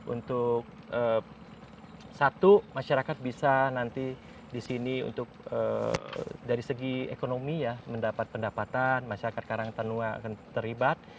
untuk satu masyarakat bisa nanti di sini untuk dari segi ekonomi ya mendapat pendapatan masyarakat karangtanua akan terlibat